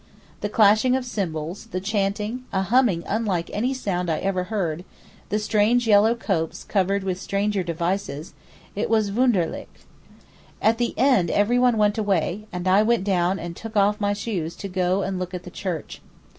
The clashing of cymbals, the chanting, a humming unlike any sound I ever heard, the strange yellow copes covered with stranger devices—it was wunderlich. At the end everyone went away, and I went down and took off my shoes to go and look at the church.